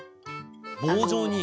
棒状に？